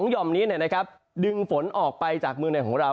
ห่อมนี้ดึงฝนออกไปจากเมืองไหนของเรา